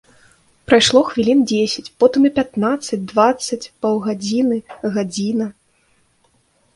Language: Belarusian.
Прайшло хвілін дзесяць, потым і пятнаццаць, дваццаць, паўгадзіны, гадзіна.